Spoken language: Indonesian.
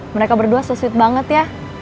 mereka berdua susit banget ya